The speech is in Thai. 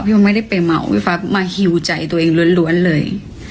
ไม่ได้ไปเหมาพี่ฟักมาหิวใจตัวเองล้วนเลย